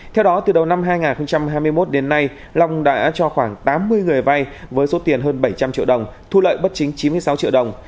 theo đó từ đầu năm hai nghìn hai mươi một đến nay long đã cho khoảng tám mươi người vay với số tiền hơn bảy trăm linh triệu đồng thu lợi bất chính chín mươi sáu triệu đồng